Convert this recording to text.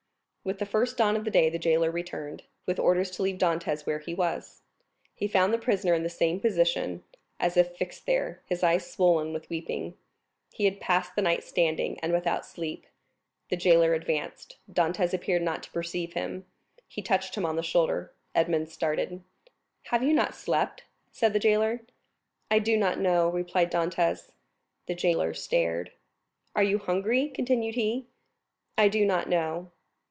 With the first dawn of day the jailer returned, with orders to leave Dantès where he was. He found the prisoner in the same position, as if fixed there, his eyes swollen with weeping. He had passed the night standing, and without sleep. The jailer advanced; Dantès appeared not to perceive him. He touched him on the shoulder. Edmond started. "Have you not slept?" said the jailer. "I do not know," replied Dantès. The jailer stared. "Are you hungry?" continued he. "I do not know."